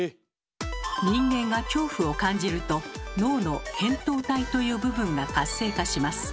人間が恐怖を感じると脳の「扁桃体」という部分が活性化します。